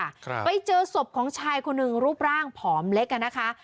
ครับไปเจอศพของชายคนหนึ่งรูปร่างผอมเล็กอ่ะนะคะ